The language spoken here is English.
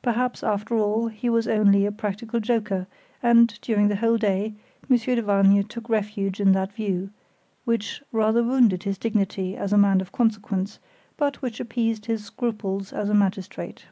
Perhaps, after all, he was only a practical joker, and during the whole day, Monsieur de Vargnes took refuge in that view, which rather wounded his dignity as a man of consequence, but which appeased his scruples as a magistrate.